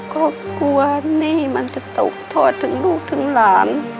ก็กลัวนี่มันจะตกทอดถึงลูกถึงหลาน